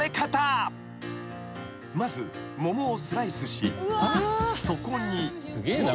［まず桃をスライスしそこに］